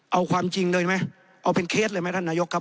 เอาความจริงเลยไหมเอาเป็นเคสเลยไหมท่านนายกครับ